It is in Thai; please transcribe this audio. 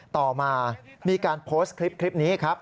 ต่อมามีการโพสต์คลิปนี้ครับ